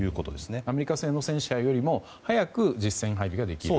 アメリカ製の戦車よりも早く実戦配備ができると。